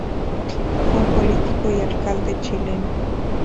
Fue un político y alcalde chileno.